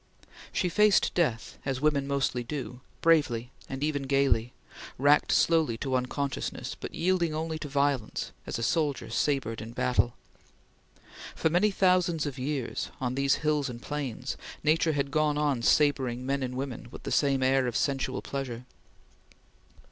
She faced death, as women mostly do, bravely and even gaily, racked slowly to unconsciousness, but yielding only to violence, as a soldier sabred in battle. For many thousands of years, on these hills and plains, Nature had gone on sabring men and women with the same air of sensual pleasure.